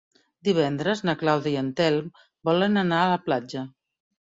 Divendres na Clàudia i en Telm volen anar a la platja.